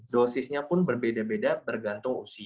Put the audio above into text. dosisnya pun berbeda beda bergantung usia